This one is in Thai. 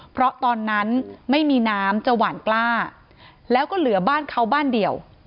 เพราะตอนนั้นไม่มีน้ำจะหวานกล้าแล้วก็เหลือบ้านเขาบ้านเดียว